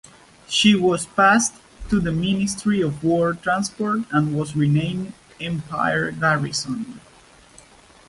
She was passed to the Ministry of War Transport and was renamed "Empire Garrison".